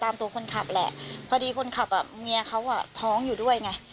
เมียเขาท้องอยู่ด้วยไง